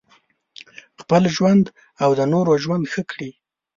خپل ژوند او د نورو ژوند ښه کړي.